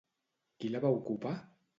Qui la va ocupar?